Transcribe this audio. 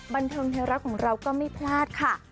บันเทิงไทยรัฐของเราก็ไม่พลาดค่ะ